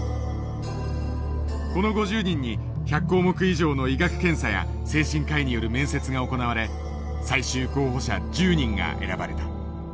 この５０人に１００項目以上の医学検査や精神科医による面接が行われ最終候補者１０人が選ばれた。